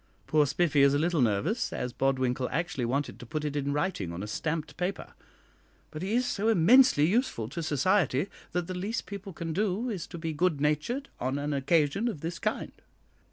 Poor Spiffy is a little nervous, as Bodwinkle actually wanted to put it in writing on a stamped paper; but he is so immensely useful to society, that the least people can do is to be good natured on an occasion of this kind."